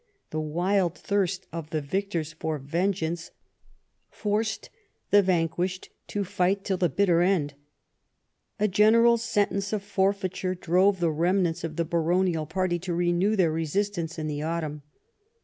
The wild thirst of the victors for vengeance forced the vanquished to fight till the bitter end. A general sentence of forfeiture drove the remnants of the baronial party to renew their resistance in the autumn.